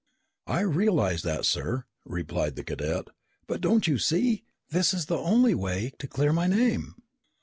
"I realize that, sir," replied the cadet. "But don't you see? This is the only way to clear my name."